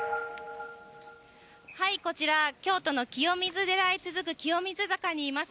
こちら、京都の清水寺へ続く清水坂にいます。